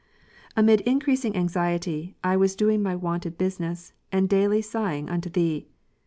Amid increasing anxiety, I was doing my wonted business, and daily sighing unto Thee.